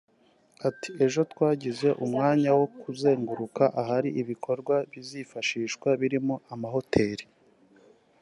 Ati ‘‘Ejo twagize umwanya wo kuzenguruka ahari ibikorwa bizifashishwa birimo amahoteli